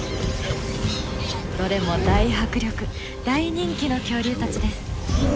どれも大迫力大人気の恐竜たちです。